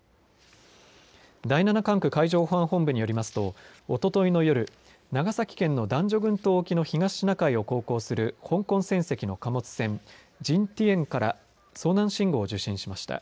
第７管区海上保安本部によりますとおとといの夜、長崎県の男女群島沖の東シナ海を航行する香港船籍の貨物船ＪＩＮＴＩＡＮから遭難信号を受信しました。